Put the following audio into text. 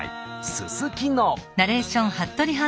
すすきの。